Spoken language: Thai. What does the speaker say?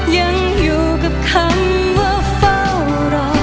ยังอยู่กับคำว่าเฝ้ารอ